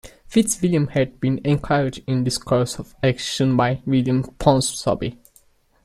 FitzWilliam had been encouraged in this course of action by William Ponsonby.